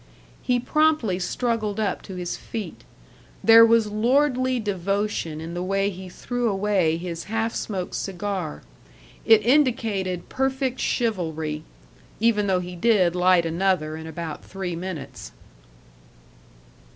He promptly struggled up to his feet. There was lordly devotion in the way he threw away his half smoked cigar. It indicated perfect chivalry.... Even though he did light another in about three minutes.